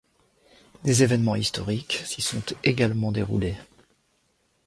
Des événements historiques s'y sont également déroulés.